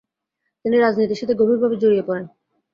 তিনি রাজনীতির সাথে গভীরভাবে জড়িয়ে পড়েন।